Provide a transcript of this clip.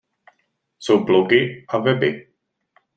Jsou blogy a weby.